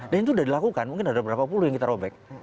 dan itu udah dilakukan mungkin ada berapa puluh yang kita robek